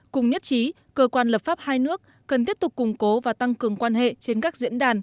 cùng nhất trí cơ quan lập pháp hai nước cần tiếp tục củng cố và tăng cường quan hệ trên các diễn đàn